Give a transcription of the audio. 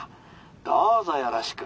どうぞよろしく」。